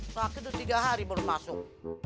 sakit itu tiga hari belum masuk